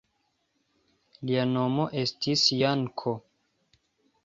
Lia nomo estis Janko.